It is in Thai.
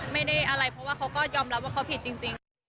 ไม่ได้อะไรเพราะว่าเขาก็ยอมรับว่าเขาผิดจริง